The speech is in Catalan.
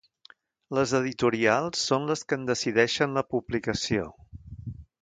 Les editorials són les que en decideixen la publicació.